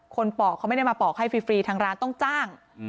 ปอกเขาไม่ได้มาปอกให้ฟรีทางร้านต้องจ้าง